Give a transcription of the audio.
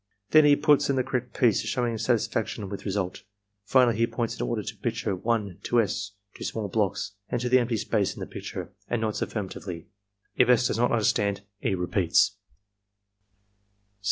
Then he puts in the correct piece showing satisfaction with result. Finally, he points in order to picture 1, to S., to small blocks, and to the empty space in the picture, and nods affirma tively. If S. does not understand, E. repeats.